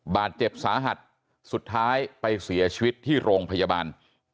บาดเจ็บสาหัสสุดท้ายไปเสียชีวิตที่โรงพยาบาล